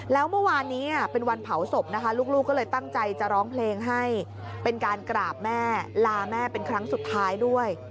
แล้วเมื่อวานนี้เป็นวันเผาศพนะคะลูกก็เลยตั้งใจจะร้องเพลงให้เป็นการกราบแม่ลาแม่เป็นครั้งสุดท้ายด้วย